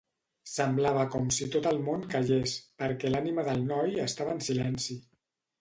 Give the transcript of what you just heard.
Semblava com si tot el món callés perquè l'ànima del noi estava en silenci.